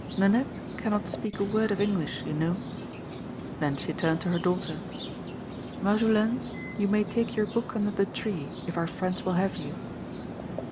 Nanette cannot speak a word of English, you know." Then she turned to her daughter. "Marjolaine, you may take your book under the tree, if our friends will have you."